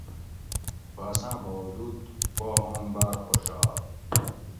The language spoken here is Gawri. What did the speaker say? خو اساٞں باوجود تھُکو پا اوم باٞر خوشال